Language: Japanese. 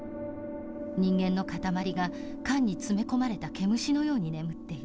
人間の塊が缶に詰め込まれた毛虫のように眠っている。